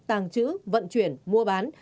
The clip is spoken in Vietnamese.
tàng trữ vận chuyển mua bán